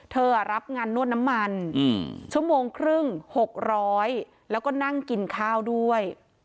รับงานนวดน้ำมันชั่วโมงครึ่ง๖๐๐แล้วก็นั่งกินข้าวด้วย